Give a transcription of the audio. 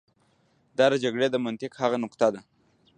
دا د جګړې د منطق هغه نقطه ده.